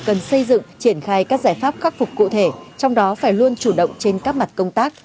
cần xây dựng triển khai các giải pháp khắc phục cụ thể trong đó phải luôn chủ động trên các mặt công tác